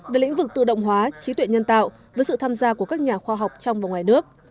về lĩnh vực tự động hóa trí tuệ nhân tạo với sự tham gia của các nhà khoa học trong và ngoài nước